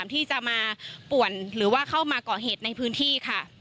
ที่จะมาป่วนหรือว่าเข้ามาก่อเหตุในพื้นที่ค่ะ